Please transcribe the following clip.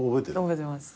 覚えてます。